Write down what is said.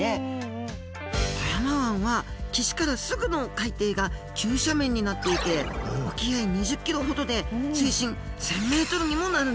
富山湾は岸からすぐの海底が急斜面になっていて沖合２０ｋｍほどで水深１，０００ｍにもなるんです。